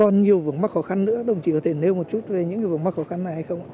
nếu vùng mắc khó khăn nữa đồng chí có thể nêu một chút về những vùng mắc khó khăn này hay không